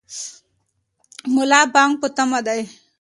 ملا بانګ په تمه دی.